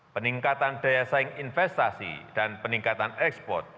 peningkatan daya saing investasi dan peningkatan ekspor